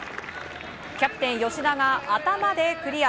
キャプテン、吉田が頭でクリア。